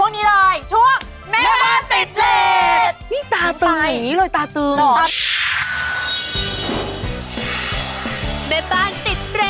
นี่ตาตืงอย่างนี้เลยตาตืงเหรอ